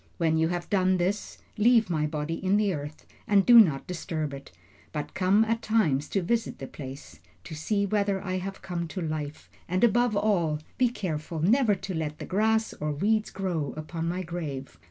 When you have done this, leave my body in the earth and do not disturb it, but come at times to visit the place, to see whether I have come to life, and above all be careful never to let the grass or weeds grow upon my grave.